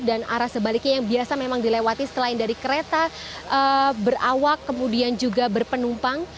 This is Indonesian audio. dan arah sebaliknya yang biasa memang dilewati selain dari kereta berawak kemudian juga berpenumpang